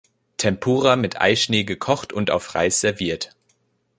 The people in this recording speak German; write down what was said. Tempura mit Eischnee gekocht und auf Reis serviert.